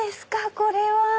⁉これは。